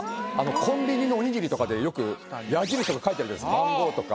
コンビニのおにぎりとかでよく矢印とか描いてあるじゃないですか